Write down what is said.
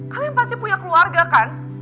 kalian pasti punya keluarga kan